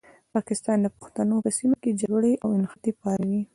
پاکستان د پښتنو په سیمه کې جګړې او نښتې پاروي.